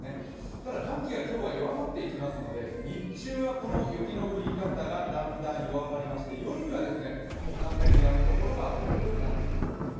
ただ寒気が今日は弱まっていきますので日中はこの雪の降り方がだんだん弱まりまして夜には完全にやむところが多くなっていきそうですよ。